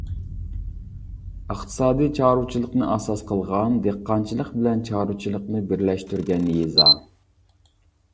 ئىقتىسادىي چارۋىچىلىقنى ئاساس قىلغان، دېھقانچىلىق بىلەن چارۋىچىلىقنى بىرلەشتۈرگەن يېزا.